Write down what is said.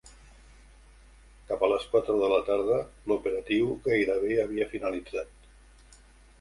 Cap a les quatre de la tarda, l’operatiu gairebé havia finalitzat.